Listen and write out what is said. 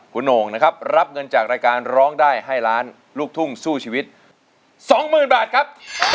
คุณโหงนะครับรับเงินจากรายการร้องได้ให้ล้านลูกทุ่งสู้ชีวิต๒๐๐๐บาทครับ